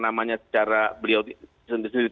namanya secara beliau sendiri